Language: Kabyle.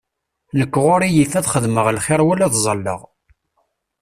Nek ɣur-i yif ad xedmeɣ lxiṛ wala ad ẓalleɣ.